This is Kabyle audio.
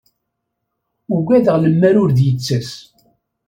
Ugadeɣ lemmer ur d-yettas.